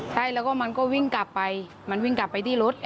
ใช่แล้วก็มันก็วิ่งกลับไปมันวิ่งกลับไปที่รถ